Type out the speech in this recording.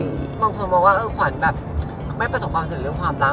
มองความว่าควัญแบบไม่ประสบความสำเร็จเรื่องความร้าง